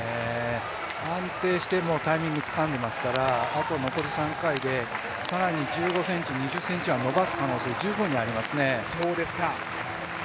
安定して、タイミングつかんでいますからあと残り３回で、１５ｃｍ、２０ｃｍは伸ばす可能性は十分にありますね。